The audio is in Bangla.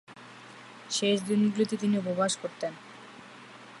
শেষ দিনগুলিতে তিনি উপবাস করতেন।